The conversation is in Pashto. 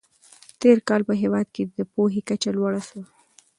تېر کال په هېواد کې د پوهې کچه لوړه سوه.